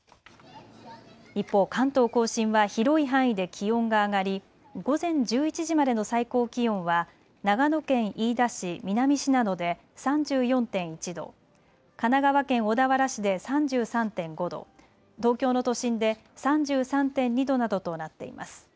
一方、関東甲信は広い範囲で気温が上がり午前１１時までの最高気温は長野県飯田市南信濃で３４．１度、神奈川県小田原市で３３．５度、東京の都心で３３．２度などとなっています。